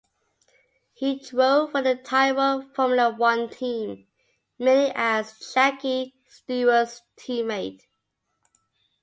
He drove for the Tyrrell Formula One team, mainly as Jackie Stewart's teammate.